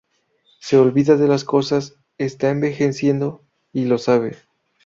Se olvida de las cosas; está envejeciendo y lo sabe.